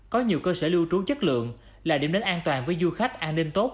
có nhiều cơ sở lưu trú chất lượng là điểm đến an toàn với du khách an ninh tốt